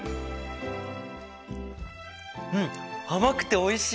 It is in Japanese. うん甘くておいしい！